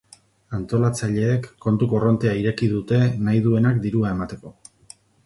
Antolatzaileek kontu korrontea ireki dute nahi duenak dirua emateko.